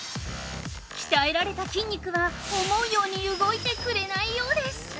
◆鍛えられた筋肉は思うように動いてくれないようです。